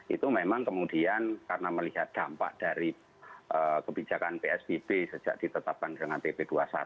itu memang kemudian karena melihat dampak dari kebijakan psbb sejak ditetapkan dengan pp dua puluh satu